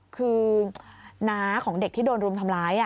คือน้าของเด็กที่โดนรุมทำร้าย